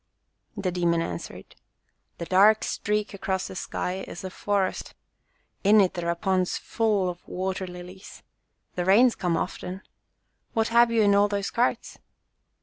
The demon answered, "The dark streak across the sky is a forest, In it there are ponds full of water JATAKA TALES lilies. The rains come often. What have you in all those carts